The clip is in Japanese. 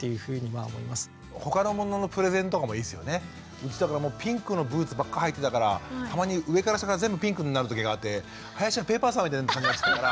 うちだからピンクのブーツばっかはいてたからたまに上から下から全部ピンクになるときがあって林家ペー・パーさんみたいな感じになってたから。